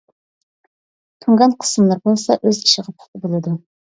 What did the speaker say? تۇڭگان قىسىملىرى بولسا ئۆز ئىشىغا پۇختا بولىدۇ.